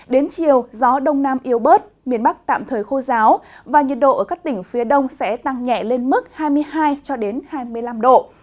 đến chiều gió đông nam yếu bớt miền bắc tạm thời khô giáo và nhiệt độ ở các tỉnh phía đông sẽ tăng nhẹ lên mức hai mươi hai hai mươi năm độ